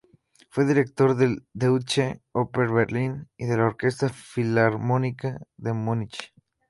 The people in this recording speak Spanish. Fue director de la Deutsche Oper Berlin y de la Orquesta Filarmónica de Múnich.